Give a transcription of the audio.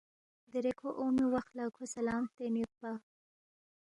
دیرے کھو اونگمی وخ لہ کھو سلام ہلتین یودپا